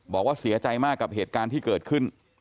บอกว่าเสียใจมากกับเหตุการณ์ที่เกิดขึ้น